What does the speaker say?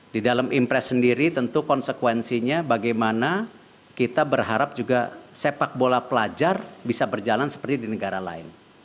di dalam impress sendiri tentu konsekuensinya bagaimana kita berharap juga sepak bola pelajar bisa berjalan seperti di negara lain